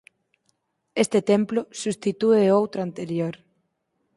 Este templo substitúe outro anterior.